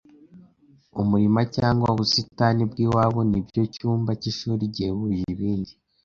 umurima cyangwa ubusitani bw’iwabo ni byo cyumba cy’ishuri gihebuje ibindi